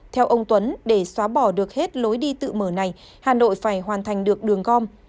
theo ông tuấn để xóa bỏ được hết lối đi tự mở này hà nội phải hoàn thành được đường gom